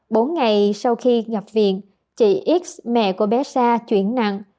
bốn ngày sau khi ngập viện chị x mẹ của bé sa chuyển nặng